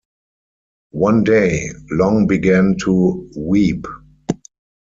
One day, Long began to weep.